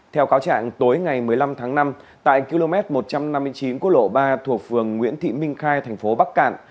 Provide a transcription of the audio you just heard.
theo cáo trạng tối ngày một mươi năm tháng năm tại km một trăm năm mươi chín của lộ ba thuộc phường nguyễn thị minh khai thành phố bắc cạn